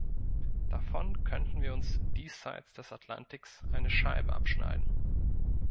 Davon könnten wir uns diesseits des Atlantiks eine Scheibe abschneiden.